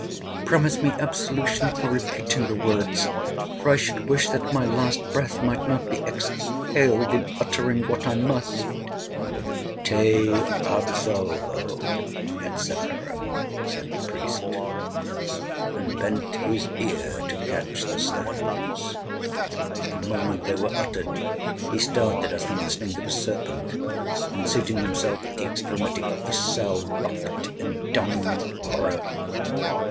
'Promise me absolution for repeating the words, for I should wish that my last breath might not be exhaled in uttering—what I must.'—'Te absolvo,' &c. said the priest, and bent his ear to catch the sounds. The moment they were uttered, he started as from the sting of a serpent, and, seating himself at the extremity of the cell, rocked in dumb horror.